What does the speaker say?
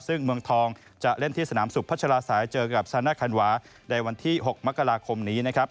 ซึ่งเมืองทองจะเล่นที่สนามสุขพัชราสายเจอกับซาน่าคันวาในวันที่๖มกราคมนี้นะครับ